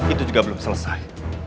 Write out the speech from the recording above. itu juga belum selesai